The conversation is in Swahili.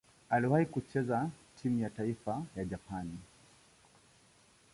Aliwahi kucheza timu ya taifa ya Japani.